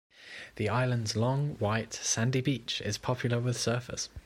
The island's long, white sandy beach is popular with surfers.